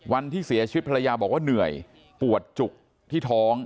วันที่เสียชีวิตภรรยาบอกว่าเหนื่อยปวดจุกที่ท้อง